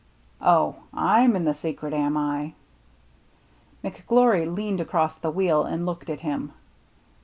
" Oh, I'm in the secret, am I ?" McGlory leaned across the wheel and looked at him.